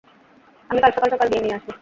আমি কাল সকাল সকাল গিয়ে নিয়ে আসবো।